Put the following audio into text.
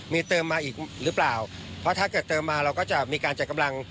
มีเติมมาอีกหรือเปล่าเพราะถ้าเกิดเติมมาเราก็จะมีการจัดกำลัง